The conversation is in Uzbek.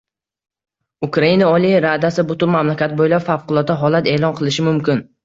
Ukraina Oliy Radasi butun mamlakat bo'ylab favqulodda holat e'lon qilishi mumkin